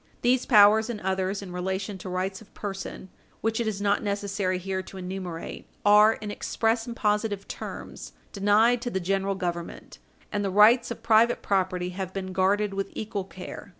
These powers, and others in relation to rights of person which it is not necessary here to enumerate, are, in express and positive terms, denied to the General Government, and the rights of private property have been guarded with equal care.